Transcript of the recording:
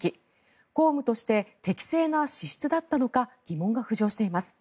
公務として適正な支出だったのか疑問が浮上しています。